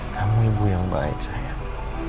kamu ibu yang baik sayang